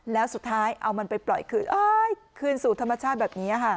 แล้วสุดท้ายเอามันไปปล่อยคืนคืนสู่ธรรมชาติแบบนี้ค่ะ